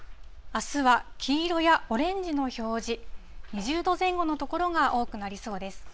あすは黄色やオレンジの表示、２０度前後の所が多くなりそうです。